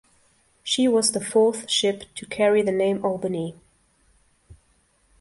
She was the fourth ship to carry the name "Albany".